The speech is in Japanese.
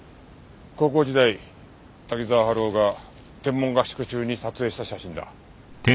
高校時代滝沢春夫が天文合宿中に撮影した写真だ。